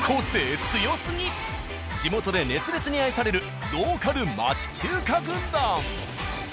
地元で熱烈に愛されるローカル町中華軍団。